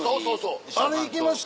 あれ行きました？